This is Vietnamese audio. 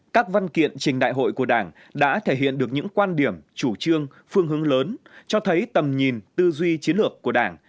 các văn kiện trình đại hội của đảng đã thể hiện được những quan điểm chủ trương phương hướng lớn cho thấy tầm nhìn tư duy chiến lược của đảng